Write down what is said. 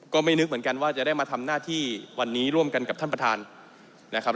ก็ไม่นึกเหมือนกันว่าจะได้มาทำหน้าที่วันนี้ร่วมกันกับท่านประธานนะครับ